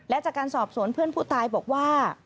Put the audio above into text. และจากการสอบสวนเพื่อนผู้ตายบอกว่า